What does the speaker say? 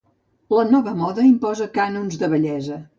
La nova moda imposa cànons de bellesa.